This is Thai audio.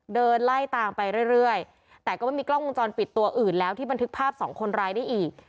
เดินไล่ตามไปเรื่อยแต่ก็ไม่มีกล้องวงจรปิดตัวอื่นแล้วที่บันทึกภาพสองคนร้ายได้อีก